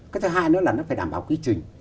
cái thứ hai nữa là nó phải đảm bảo quy trình